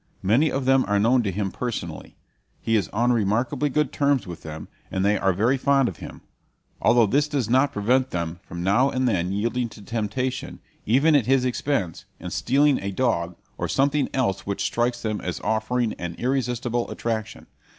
Many of them are known to him personally. He is on remarkably good terms with them, and they are very fond of him although this does not prevent them from now and then yielding to temptation, even at his expense, and stealing a dog or something else which strikes them as offering an irresistible attraction.